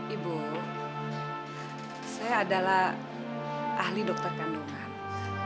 ibu saya adalah ahli dokter kandungan